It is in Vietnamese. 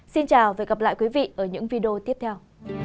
xin chào và hẹn gặp lại quý vị ở những video tiếp theo